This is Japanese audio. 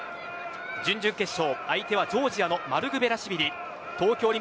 準々決勝、相手はジョージアのマルグヴェラシビリ。